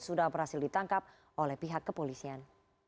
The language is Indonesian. sudah berhasil ditangkap oleh pihak kepolisian